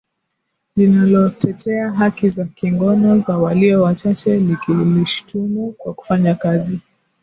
linalotetea haki za kingono za walio wachache likilishutumu kwa kufanya kazi